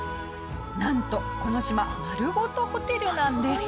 なんとこの島丸ごとホテルなんです！